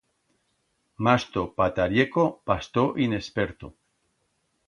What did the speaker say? Masto patarieco, pastor inexperto!